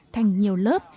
thành nhiều lớp